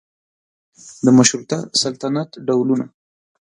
د مشروطه سلطنت ډولونه